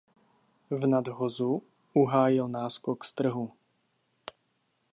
V nadhozu uhájil náskok z trhu.